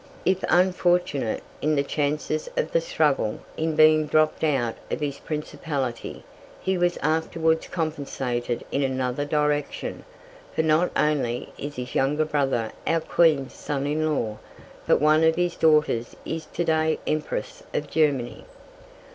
If unfortunate, in the chances of the struggle, in being dropped out of his principality, he was afterwards compensated in another direction, for not only is his younger brother our Queen's son in law, but one of his daughters is to day Empress of Germany.